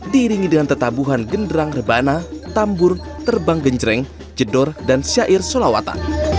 diiringi dengan tertabuhan genderang rebana tambur terbang genjreng jedor dan syair sholawata